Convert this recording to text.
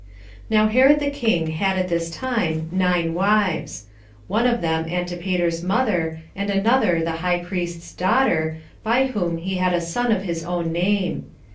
3. Now Herod the king had at this time nine wives; one of them Antipater's mother, and another the high priest's daughter, by whom he had a son of his own name.